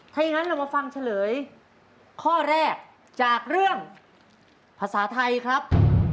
ถ้าอย่างนั้นเรามาฟังเฉลยข้อแรกจากเรื่องภาษาไทยครับ